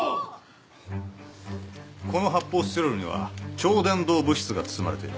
この発泡スチロールには超電導物質が包まれている。